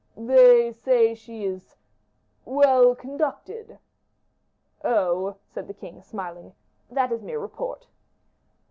"They say she is well conducted." "Oh!" said the king, smiling, "that is mere report."